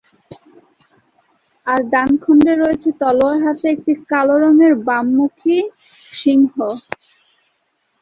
আর ডান খণ্ডে রয়েছে তলোয়ার হাতে একটি কালো রঙের বাম মুখী সিংহ।